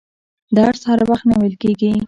درس هر وخت نه ویل کیږي.